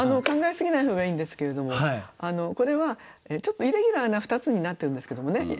考え過ぎない方がいいんですけれどもこれはちょっとイレギュラーな２つになってるんですけどもね